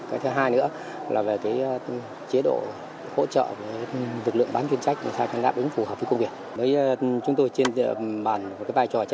cái thứ hai nữa là về cái chế độ hỗ trợ với lực lượng bán chuyên trách